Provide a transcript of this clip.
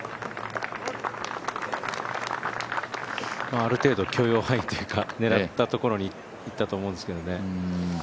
ある程度許容範囲というか、狙ったところにいったと思うんですけどね。